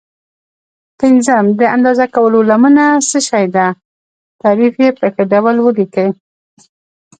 پنځم: د اندازه کولو لمنه څه شي ده؟ تعریف یې په ښه ډول ولیکئ.